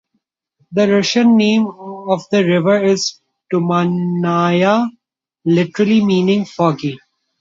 The Russian name of the river is "Tumannaya", literally meaning "foggy".